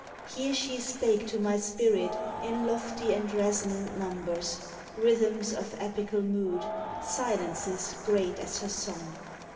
Here she spake to my spirit in lofty and resonant numbers, Rhythms of epical mood, silences great as her song.